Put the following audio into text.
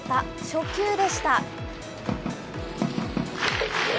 初球でした。